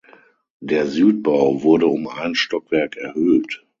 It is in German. Der Südbau wurde um ein Stockwerk erhöht.